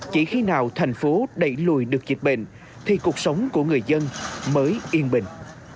chỉ khi nào thành phố đẩy lùi được dịch bệnh thì cuộc sống của người dân mới yên bình